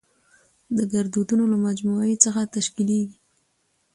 د ګړدودونو له مجموعه څخه تشکېليږي.